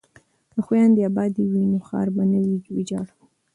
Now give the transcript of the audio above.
که خویندې ابادې وي نو ښار به نه وي ویجاړ.